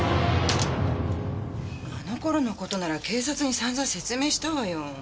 あの頃の事なら警察に散々説明したわよ。